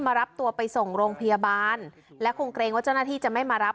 รับตัวไปส่งโรงพยาบาลและคงเกรงว่าเจ้าหน้าที่จะไม่มารับ